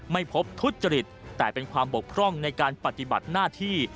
ไม่พบทุจริตแต่เป็นความบกพร่องในการปฏิบัติหน้าที่